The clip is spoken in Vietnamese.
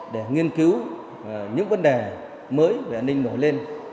để nghiên cứu những vấn đề mới về an ninh nổi lên